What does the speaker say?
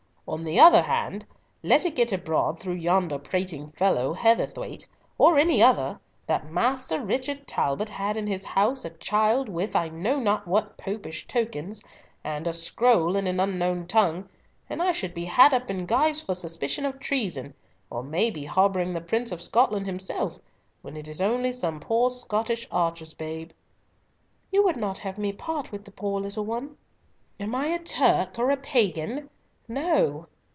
On the other hand, let it get abroad through yonder prating fellow, Heatherthwayte, or any other, that Master Richard Talbot had in his house a child with, I know not what Popish tokens, and a scroll in an unknown tongue, and I should be had up in gyves for suspicion of treason, or may be harbouring the Prince of Scotland himself, when it is only some poor Scottish archer's babe." "You would not have me part with the poor little one?" "Am I a Turk or a Pagan? No.